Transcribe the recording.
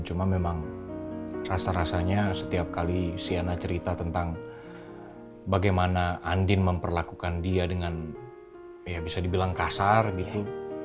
cuma memang rasa rasanya setiap kali siana cerita tentang bagaimana andin memperlakukan dia dengan ya bisa dibilang kasar gitu